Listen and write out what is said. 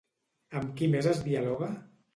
Amb qui més es dialoga?